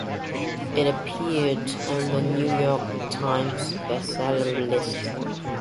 It appeared on The New York Times Best Seller list.